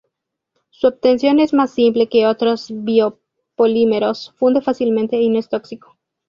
Su obtención es más simple que otros biopolímeros, funde fácilmente y no es tóxico.